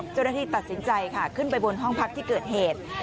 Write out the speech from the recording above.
เจ้าหน้าที่ตัดสินใจค่ะขึ้นไปบนห้องพักที่เกิดเหตุ